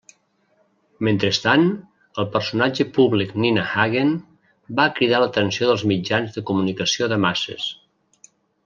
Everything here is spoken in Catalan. Mentrestant, el personatge públic Nina Hagen va cridar l'atenció dels mitjans de comunicació de masses.